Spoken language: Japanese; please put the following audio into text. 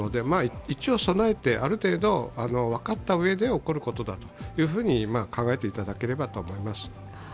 一応、備えてある程度分かったうえで起こることだと考えていただければと思います。